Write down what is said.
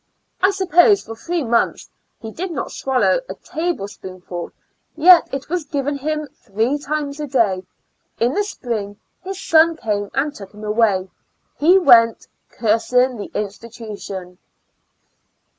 I .suppose for three months he did not swallow a table spoonful; yet 'it was given him three times a day. In the spring his son came and took him away: he went cursing the institution.